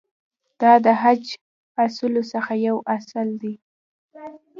دا د حج اصولو څخه یو اصل دی.